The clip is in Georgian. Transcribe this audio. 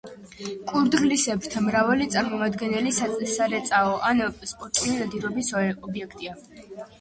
კურდღლისებრთა მრავალი წარმომადგენელი სარეწაო ან სპორტული ნადირობის ობიექტია.